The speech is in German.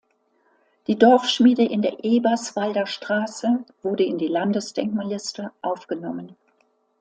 Die Dorfschmiede in der Eberswalder Straße wurde in die Landesdenkmalliste aufgenommen.